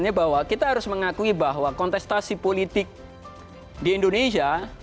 artinya bahwa kita harus mengakui bahwa kontestasi politik di indonesia